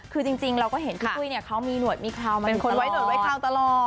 คือจริงเราก็เห็นพี่ตุ้ยเนี่ยเขามีหนวดมีคลาวมาอยู่ตลอด